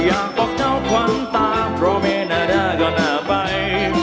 อยากบอกเท้าความตาเพราะไม่น่าได้ก็น่าไป